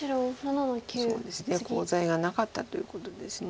そうですねコウ材がなかったということです。